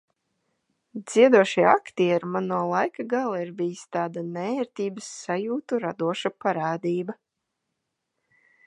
Dziedošie aktieri man no laika gala ir bijis tāda neērtības sajūtu radoša parādība.